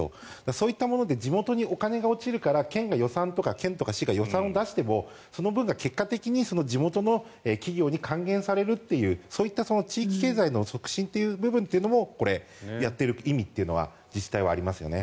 そういったことで地元にお金が落ちるから県が予算とか県とか市が予算を出してもその分が結果的に地元の企業に還元されるというそういった地域経済の促進という部分もやっている意味は自治体ありますよね。